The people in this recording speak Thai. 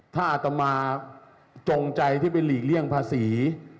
ถ้าอาตมาจงใจที่ไปหลีกเลี่ยงภาษี